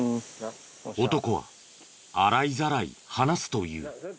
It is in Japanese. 男は洗いざらい話すという。